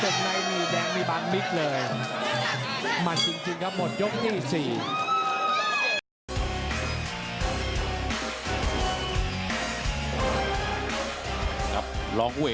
กลัวไล่แค่ขวามันอย่าลืมน้ำเงินยังมีบางมิตรเลยมันจริงครับหมดยังมีบางมิตรเลย